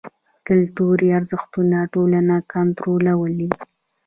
کلتوري ارزښتونه ټولنه کنټرولوي.